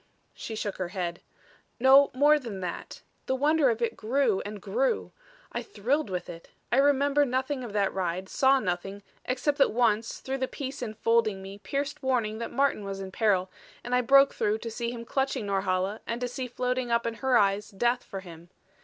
She shook her head. "No more than that. The wonder of it grew and grew. I thrilled with it. I remember nothing of that ride, saw nothing except that once through the peace enfolding me pierced warning that Martin was in peril, and I broke through to see him clutching Norhala and to see floating up in her eyes death for him.